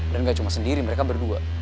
dan gak cuma sendiri mereka berdua